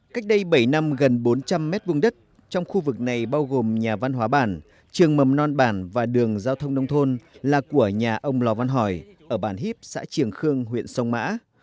cách đây bảy năm gần bốn trăm linh mét vuông đất trong khu vực này bao gồm nhà văn hóa bản trường mầm non bản và đường giao thông nông thôn là của nhà ông lò văn hỏi ở bản hiếp xã triềng khương huyện sông mã